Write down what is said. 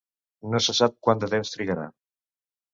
No se sap quant de temps trigarà.